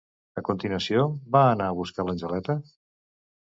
A continuació, va anar a buscar l'Angeleta?